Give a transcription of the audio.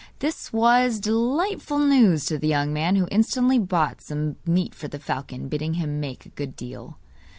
This was delightful news to the young man, who instantly bought some meat for the falcon, bidding him make a good meal.